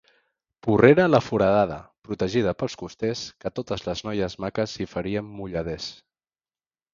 Porrera la Foradada, protegida pels costers, que totes les noies maques hi faríem mulladers.